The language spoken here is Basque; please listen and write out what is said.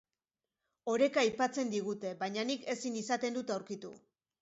Oreka aipatzen digute, baina nik ezin izaten dut aurkitu.